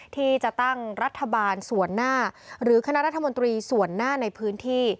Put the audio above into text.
ที่จะตั้งรัฐบาลส่วนหน้าหรือคณะรัฐมนตรีส่วนหน้าในพื้นที่